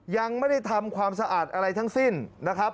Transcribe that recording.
ยังไม่ได้ทำความสะอาดอะไรทั้งสิ้นนะครับ